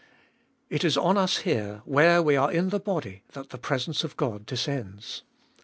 It is on us here, where we are in the body, that the presence of God descends.